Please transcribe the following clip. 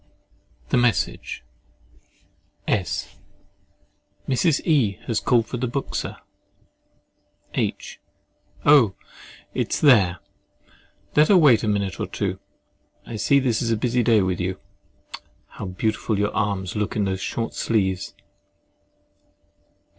THE MESSAGE S. Mrs. E—— has called for the book, Sir. H. Oh! it is there. Let her wait a minute or two. I see this is a busy day with you. How beautiful your arms look in those short sleeves!